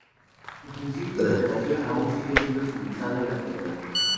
Su principio de operación aún sigue siendo utilizado en la actualidad.